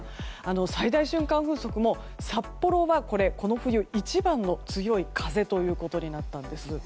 最大瞬間風速も札幌はこの冬一番の強い風となったんです。